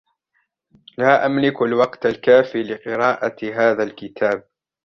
لا أملك الوقت الكافي لقراءة هذا الكتاب